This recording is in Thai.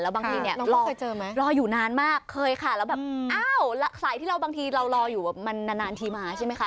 บางทีเนี่ยรออยู่นานมากเคยค่ะแล้วแบบอ้าวสายที่เราบางทีเรารออยู่มันนานทีมาใช่ไหมคะ